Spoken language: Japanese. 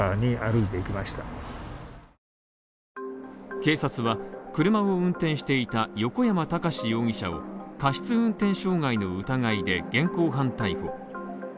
警察は車を運転していた横山孝容疑者を過失運転傷害の疑いで現行犯逮捕。